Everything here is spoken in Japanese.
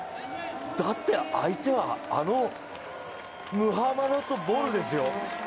だって相手はあのムハマドとボルですよ？